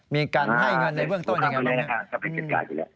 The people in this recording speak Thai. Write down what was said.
มีการให้เงินในเบื้องต้นอย่างไรบ้าง